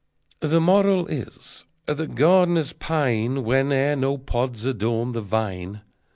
The Moral is that gardeners pine Whene'er no pods adorn the vine.